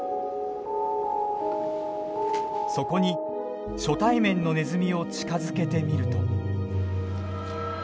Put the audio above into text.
そこに初対面のネズミを近づけてみると。